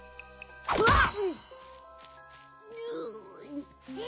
あっ！